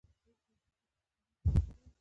اوښ د افغان تاریخ په کتابونو کې ذکر شوی دی.